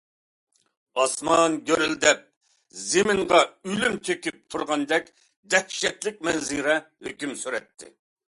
ئاسمان گۈرۈلدەپ، زېمىنغا ئۆلۈم تۆكۈپ تۇرغاندەك دەھشەتلىك مەنزىرە ھۆكۈم سۈرەتتى.